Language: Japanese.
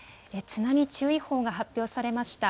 津波注意報が発表されました。